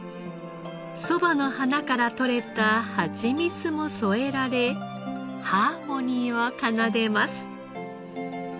そばの花からとれたハチミツも添えられハーモニーを奏でます。